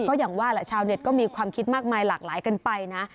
ก็อย่างว่าแหละชาวเน็ตก็มีความคิดมากมายหลากหลายกันไปนะ